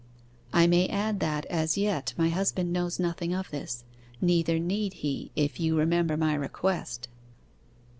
'I may add that, as yet, my husband knows nothing of this, neither need he if you remember my request.